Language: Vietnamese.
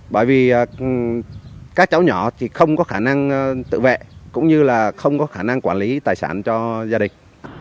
bởi vì các cháu nhỏ thì không có khả năng tự vệ cũng như là không có khả năng quản lý tài sản cho gia đình